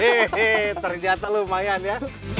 yeay terjata lumayan ya